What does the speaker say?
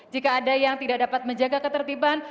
jika ada yang tidak dapat menjaga ketertiban